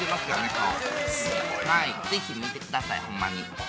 ぜひ見てください、ほんまに。